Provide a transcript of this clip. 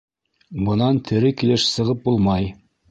Бынан тере килеш сығып булмай!